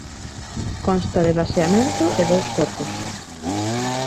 Consta de baseamento e dous corpos.